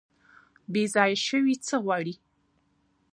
بیځایه شوي څه غواړي؟